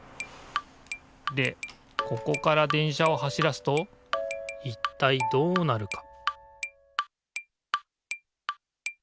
でここから電車を走らすといったいどうなるか？